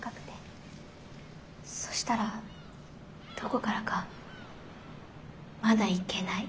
そしたらどこからか「まだいけない。